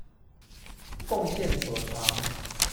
貢獻所長